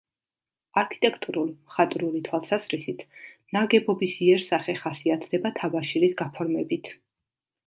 არქიტექტურულ-მხატვრული თვალსაზრისით ნაგებობის იერსახე ხასიათდება თაბაშირის გაფორმებით.